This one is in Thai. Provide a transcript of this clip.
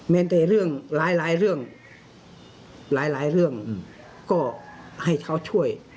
เป็นแต่เรื่องหลายหลายเรื่องหลายหลายเรื่องก็ให้เขาช่วย